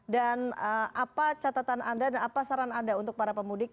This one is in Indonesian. dan apa catatan anda dan apa saran anda untuk para pemudik